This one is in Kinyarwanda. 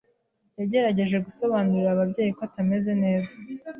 yagerageje gusobanurira ababyeyi ko atameze neza,